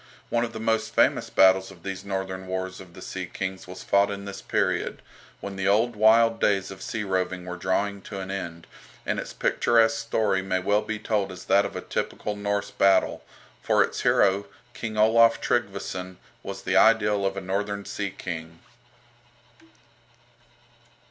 One of the most famous battles of these northern wars of the sea kings was fought in this period, when the old wild days of sea roving were drawing to an end, and its picturesque story may well be told as that of a typical Norse battle, for its hero, King Olaf Tryggveson, was the ideal of a northern sea king.